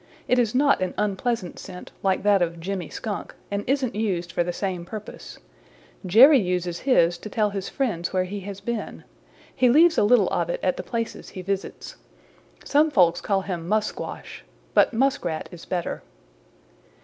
It is not an unpleasant scent, like that of Jimmy Skunk, and isn't used for the same purpose. Jerry uses his to tell his friends where he has been. He leaves a little of it at the places he visits. Some folks call him Musquash, but Muskrat is better.